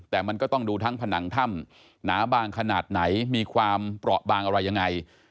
แต่มันก็ต้องดูทั้งผนังถ้ำหนาบางขนาดไหนมีความเปราะบางอะไรยังไง